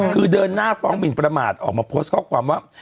คือเดินหน้าฟ้องหมินประมาทออกมาโพสต์ข้อความว่า